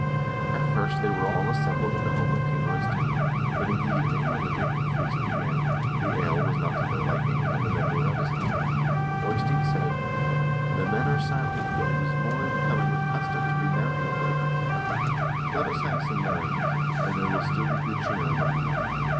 At first they were all assembled at the home of King Eystein; but in the evening when the drinking feast began, the ale was not to their liking, and the men were reticent. Eystein said : 'The men are silent, but it is more in keeping with custom to be merry over the drinking cup. Let us have some merriment, and there will still be good cheer among the men.